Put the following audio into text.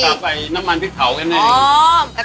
กลับไปน้ำมันพริกเผากันได้